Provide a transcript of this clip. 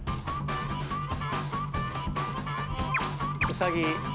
ウサギ。